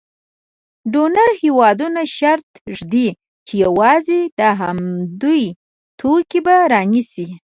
ډونر هېوادونه شرط ږدي چې یوازې د همدوی توکي به رانیسي.